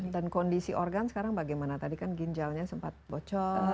dan kondisi organ sekarang bagaimana tadi kan ginjalnya sempat bocor